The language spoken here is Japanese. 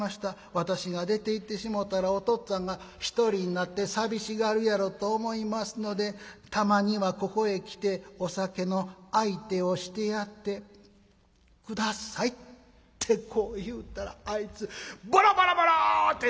私が出ていってしもたらおとっつぁんが一人になって寂しがるやろと思いますのでたまにはここへ来てお酒の相手をしてやって下さい』ってこう言うたらあいつボロボロボロッて泣きよったんや。